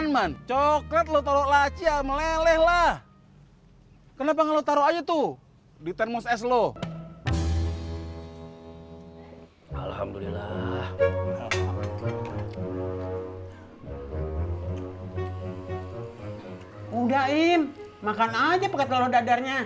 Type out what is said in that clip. mudahin makan aja pekat telur dadarnya